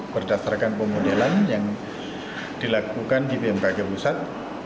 berdasarkan pemodelan yang dilakukan di bmkg pusat